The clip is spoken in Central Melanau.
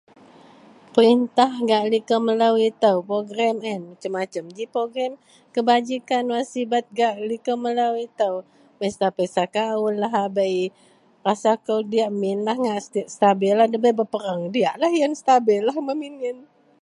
Peritah gak liko melo ito progrem an iyen masem-masem ji progem kebajikan wak sibet gak liko melo ito, pesta-pesta kaul lahabei rasa kou diyak min lah ngak stabillah nda bei bepereang, diyak lah iyen stabil lah min-min.